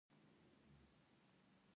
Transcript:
ایا د روغتون پته پوهیږئ؟